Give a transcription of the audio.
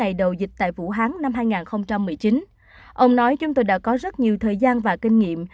ngày đầu dịch tại vũ hán năm hai nghìn một mươi chín ông nói chúng tôi đã có rất nhiều thời gian và kinh nghiệm